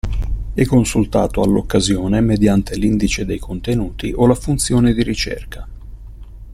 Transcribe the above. È consultato all'occasione mediante l'Indice dei contenuti o la funzione di ricerca.